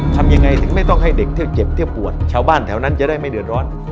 ทำยังไงถึงไม่ต้องให้เด็กเที่ยวเจ็บเที่ยวปวดชาวบ้านแถวนั้นจะได้ไม่เดือดร้อน